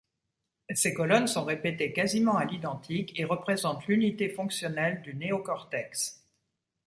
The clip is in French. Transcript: Ces colonnes sont répétées quasiment à l'identique et représentent l'unité fonctionnelle du néocortex.